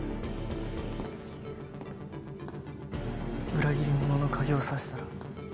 裏切り者の鍵を挿したら。